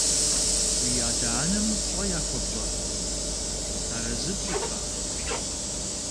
Уи адэ-анэм пщӀэ яхуэпщӀа, арэзы пщӀыфа?